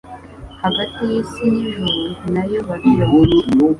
Hagati y'isi n'ijuru nayo bariyo